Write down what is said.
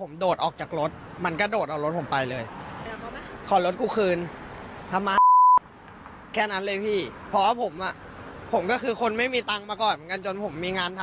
ผมก็คือคนไม่มีตังมาก่อนจนผมมีงานทำ